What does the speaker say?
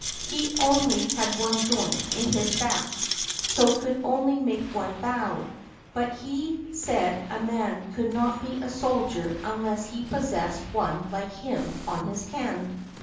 He only had one joint in his back, so could only make one bow; but he said a man could not be a soldier unless he possessed one like him on his hand.